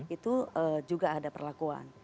itu juga ada perlakuan